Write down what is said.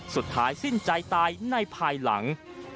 สุดท้ายสิ้นใจตายในภายหลัง